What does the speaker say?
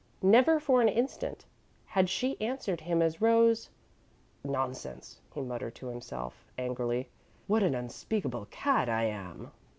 Never for an instant had she answered him as Rose "Nonsense," he muttered to himself, angrily. "What an unspeakable cad I am!"